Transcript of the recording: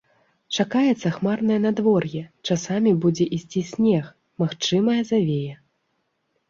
Чакаецца хмарнае надвор'е, часамі будзе ісці снег, магчымая завея.